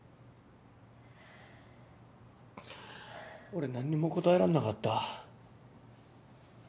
俺何にも答えらんなかった。